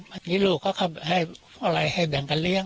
ในนี้ลูกเขาเขาก็ให้เบ่งกันเลี้ยง